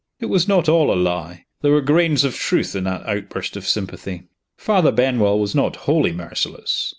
It was not all a lie there were grains of truth in that outburst of sympathy. Father Benwell was not wholly merciless.